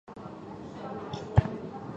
黄毛鼹属等之数种哺乳动物。